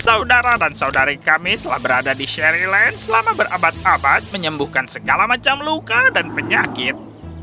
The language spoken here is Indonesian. saudara dan saudari kami telah berada di sherryland selama berabad abad menyembuhkan segala macam luka dan penyakit